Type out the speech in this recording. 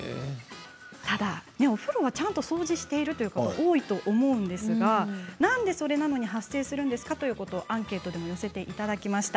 ただ、お風呂はちゃんと掃除しているという方多いと思うんですがなんでそれなのに発生するんですかという声をアンケートでも寄せていただきました。